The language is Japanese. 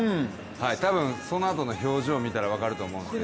多分そのあとの表情を見たら分かると思うんですけど。